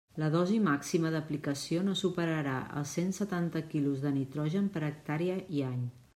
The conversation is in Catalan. La dosi màxima d'aplicació no superarà els cent setanta quilos de nitrogen per hectàrea i any.